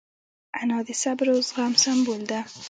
انا د صبر او زغم سمبول ده